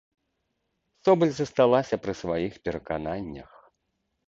Собаль засталася пры сваіх перакананнях.